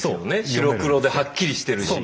白黒ではっきりしてるし。